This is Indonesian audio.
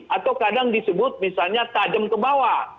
atau kadang disebut misalnya tajam ke bawah